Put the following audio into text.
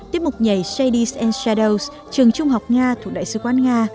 tiết mục nhảy shades and shadows trường trung học nga thuộc đại sứ quán nga